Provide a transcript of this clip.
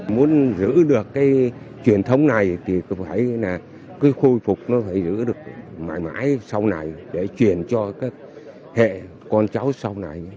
muốn giữ được cái truyền thống này thì cứ phải là cứ khôi phục nó phải giữ được mãi mãi sau này để truyền cho các hệ con cháu sau này